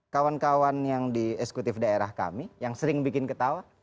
kawan kawan yang di eksekutif daerah kami yang sering bikin ketawa